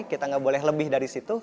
kita nggak boleh lebih dari situ